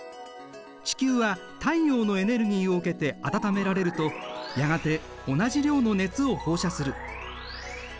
地球は太陽のエネルギーを受けて暖められるとやがて同じ量の熱を放射する。